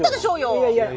いやいや。